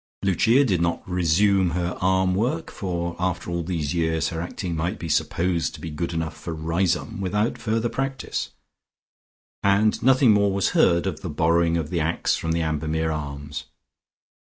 Lucia did not resume her arm work, for after all these years her acting might be supposed to be good enough for Riseholme without further practice, and nothing more was heard of the borrowing of the axe from the Ambermere Arms.